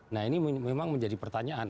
nah ini memang menjadi pertanyaan